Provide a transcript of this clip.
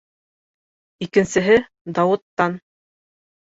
Икенсеһе - Дауыттан.